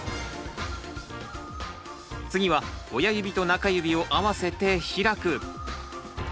次は親指と中指を合わせて開く。